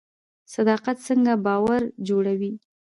صداقت څنګه باور جوړوي؟